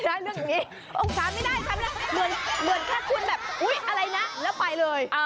เช้าไม่ได้เหมือนแค่คุณแบบอย่าไปเลย